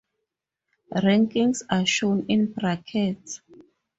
Rankings are shown in brackets.